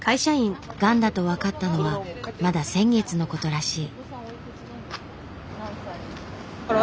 がんだと分かったのはまだ先月のことらしい。